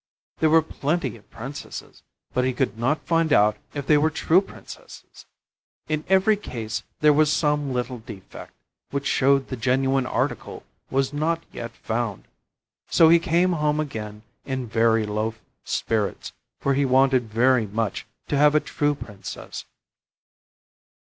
There were plenty of Princesses, but he could not find out if they were true Princesses. In every case there was some little defect, which showed the genuine article was not yet found. So he came home again in very low spirits, for he had wanted very much to have a true Princess.